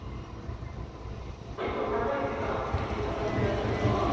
結構長い時間石探してらっしゃるんですか？